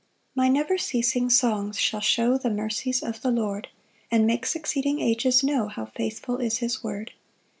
1 My never ceasing songs shall show The mercies of the Lord, And make succeeding ages know How faithful is his word.